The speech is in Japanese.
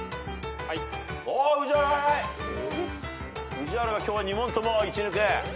宇治原が今日は２問とも一抜け。